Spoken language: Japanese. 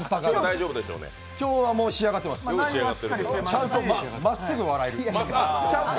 今日はもう仕上がってます、まっすぐ笑える。